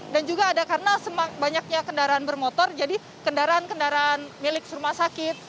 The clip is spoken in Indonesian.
dan juga ada karena banyaknya kendaraan bermotor jadi kendaraan kendaraan milik rumah sakit